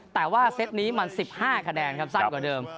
แต่ว่าเซตนี้มัน๑๕คะแนนครับสั้นกว่าเดิม